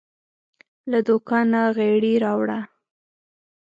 له دوکانه غیړي راوړه